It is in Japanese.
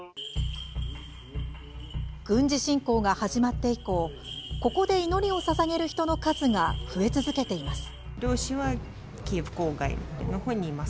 軍事侵攻が始まって以降ここで祈りをささげる人の数が増え続けています。